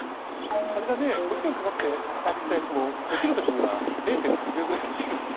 あれだね５時間かかってあれしたやつも落ちる時には０．８秒ぐらいで落ちるんだね。